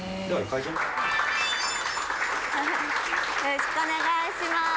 よろしくお願いします。